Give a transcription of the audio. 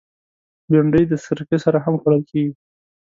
بېنډۍ د سرکه سره هم خوړل کېږي